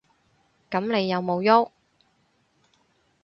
噉你有無郁？